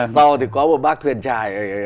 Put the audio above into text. sau thì có một bác thuyền trài